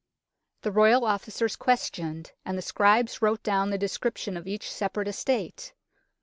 The Royal Officers questioned, and the scribes wrote down the description of each separate estate.